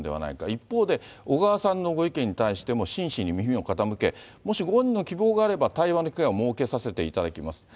一方で、小川さんのご意見に対しても真摯に耳を傾け、もしご本人の希望があれば、対話の機会を設けさせていただきます。